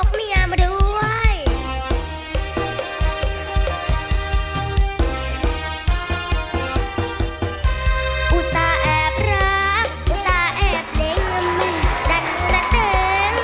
กลูตาแอดเล็งมือดัดระเติ้ล